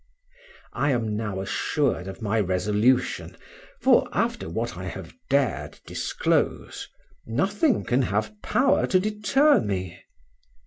I am now assured of my resolution, for after what I have dared disclose, nothing can have power to deter me.